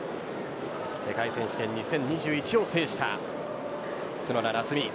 世界選手権２０２１を制した角田夏実。